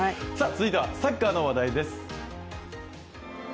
続いてはサッカーの話題です。